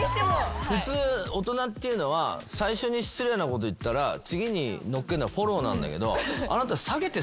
普通大人っていうのは最初に失礼なこと言ったら次にのっけるのはフォローなんだけど。